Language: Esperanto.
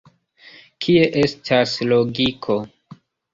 Kie estas logiko?